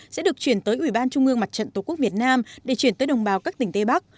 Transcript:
sẽ được chuyển tới ủy ban trung ương mặt trận tổ quốc việt nam để chuyển tới đồng bào các tỉnh tây bắc